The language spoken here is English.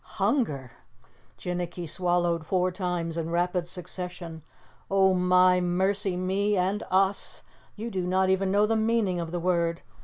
"Hunger?" Jinnicky swallowed four times in rapid succession. "Oh, my, mercy me and us! You do not even know the meaning of the word!